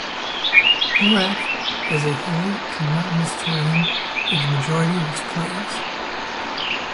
Porac has a hilly to mountainous terrain in the majority of its plains.